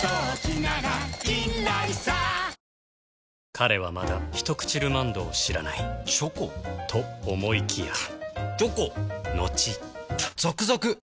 彼はまだ「ひとくちルマンド」を知らないチョコ？と思いきやチョコのちザクザク！